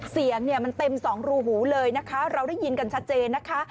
เสียงเนี่ยมันเต็มสองรูหูเลยนะคะเราได้ยินกันชัดเจนนะคะ